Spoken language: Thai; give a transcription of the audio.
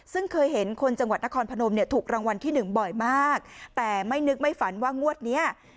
ซึ่งเคยเห็นคนจังหวัดนครพนมเนี่ยถูกรางวัลที่หนึ่งบ่อยมากแต่ไม่นึกไม่ฝันว่างวดเนี้ย